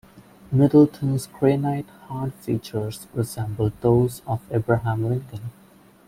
Middleton's granite-hard features resembled those of Abraham Lincoln.